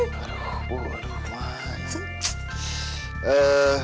aduh bu aduh lumayan